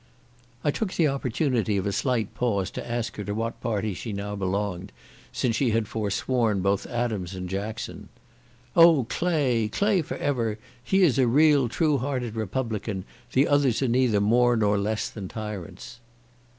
I took the opportunity of a slight pause to ask her to what party she now belonged, since she had forsworn both Adams and Jackson. "Oh Clay! Clay for ever! he is a real true hearted republican; the others are neither more nor less than tyrants."